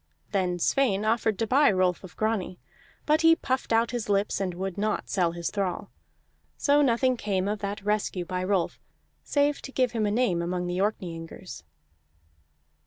Then Sweyn offered to buy Rolf of Grani, but he puffed out his lips and would not sell his thrall. So nothing came of that rescue by Rolf, save to give him a name among the Orkneyingers.